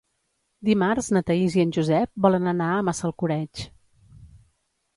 Dimarts na Thaís i en Josep volen anar a Massalcoreig.